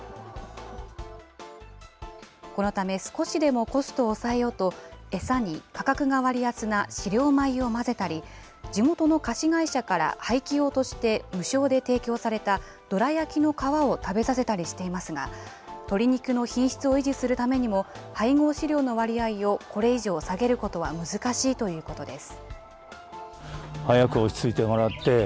このため少しでもコストを抑えようと、餌に価格が割安な飼料米を混ぜたり、地元の菓子会社から廃棄用として無償で提供されたどら焼きの皮を食べさせたりしていますが、鶏肉の品質を維持するためにも、配合飼料の割合をこれ以上下げることは難しいということです。